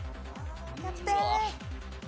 キャプテン！